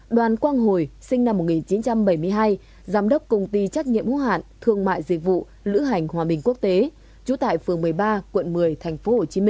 đoàn quang hồi sinh năm một nghìn chín trăm bảy mươi hai giám đốc công ty trách nhiệm hữu hạn thương mại dịch vụ lữ hành hòa bình quốc tế trú tại phường một mươi ba quận một mươi tp hcm